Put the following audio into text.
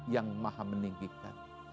yang maha meninggikan